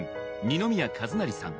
二宮和也さん